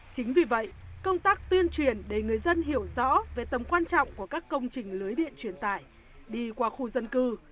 chính vì vậy công tác tuyên truyền để người dân hiểu rõ về tầm quan trọng của các công trình lưới điện truyền tải đi qua khu dân cư